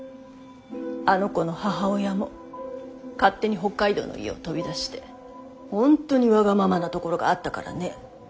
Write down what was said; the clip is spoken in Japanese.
あの子の母親も勝手に北海道の家を飛び出してほんとにわがままなところがあったからね。